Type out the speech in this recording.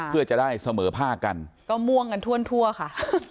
เพื่อจะได้เสมอภาคกันก็ม่วงกันทั่วค่ะ